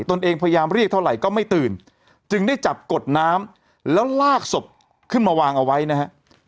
ตัวเองพยายามเรียกเท่าไหร่ก็ไม่ตื่นจึงได้จับกดน้ำแล้วลากศพขึ้นมาวางเอาไว้นะฮะ